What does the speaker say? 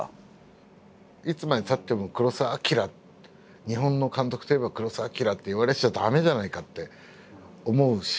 いつまでたっても黒澤明「日本の監督といえば黒澤明」って言われてちゃ駄目じゃないかって思うし。